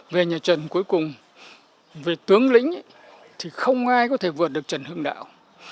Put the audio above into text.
về nhà trần cuối cùng về tướng lĩnh thì không ai có thể vượt được trần hưng đạo